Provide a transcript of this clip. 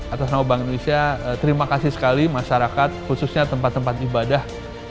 atas nama bank indonesia terima kasih sekali masyarakat khususnya tempat tempat ibadah